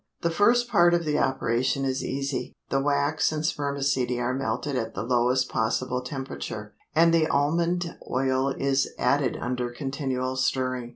The first part of the operation is easy; the wax and spermaceti are melted at the lowest possible temperature, and the almond oil is added under continual stirring.